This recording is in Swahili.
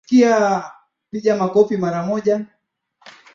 Ilikuwa kabla ya kufika kwa wageni hawa